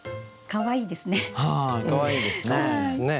かわいいですね。